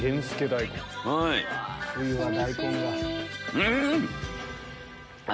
うん！